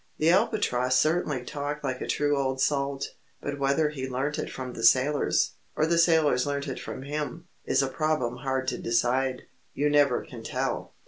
The Albatross certainly talked like a true old Salt, but whether he learnt it from the sailors, or the sailors learnt it from him, is a problem hard to decide you never can tell.